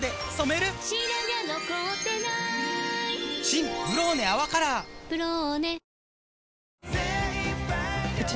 新「ブローネ泡カラー」「ブローネ」